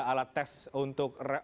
alat tes untuk